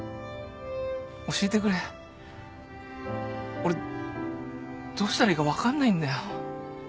俺どうしたらいいか分かんないんだよ。